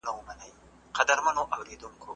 ډیپلوماسي باید د نړیوالو شخړو د حل سوله ییزه لاره وي.